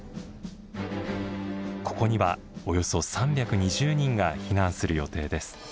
ここにはおよそ３２０人が避難する予定です。